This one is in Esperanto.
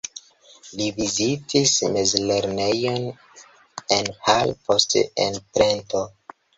Li vizitis mezlernejon en Hall, poste en Trento.